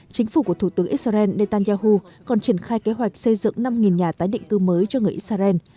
chính phủ của thủ tướng israel netanyahu còn triển khai kế hoạch xây dựng năm nhà tái định cư mới cho người israel